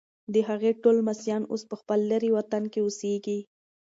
د هغې ټول لمسیان اوس په خپل لیرې وطن کې اوسیږي.